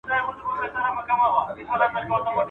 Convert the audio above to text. ورک له نورو ورک له ځانه.